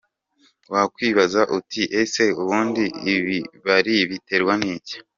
Wakwibaza uti ese ubundi ibibari biterwa n’iki?.